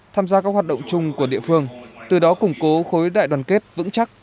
tham gia các hoạt động chung của địa phương từ đó củng cố khối đại đoàn kết vững chắc